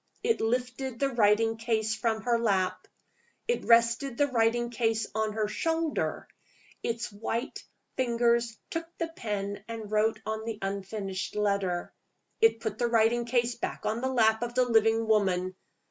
It lifted the writing case from her lap. It rested the writing case on her shoulder. Its white fingers took the pen and wrote on the unfinished letter. It put the writing case back on the lap of the living woman.